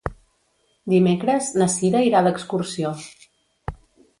Dimecres na Cira irà d'excursió.